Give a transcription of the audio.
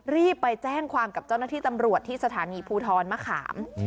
รีบไปแจ้งความกับเจ้าหน้าที่ตำรวจที่สถานีภูทรมะขาม